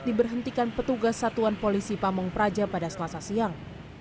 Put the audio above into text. diberhentikan petugas satuan polisi pamung praja pada selasa siang